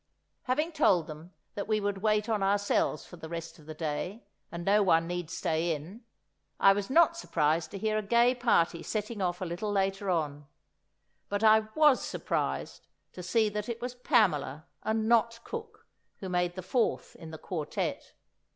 Having told them that we would wait on ourselves for the rest of the day, and no one need stay in, I was not surprised to hear a gay party setting off a little later on; but I was surprised to see that it was Pamela, and not cook, who made the fourth in the quartette!